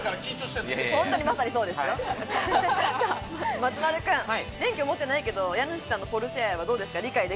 松丸君、免許持ってないけど家主さんのポルシェ愛はどうですか？